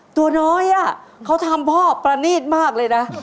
ตัวน้อยเขาทำพ่อประนีตมากเลยนะ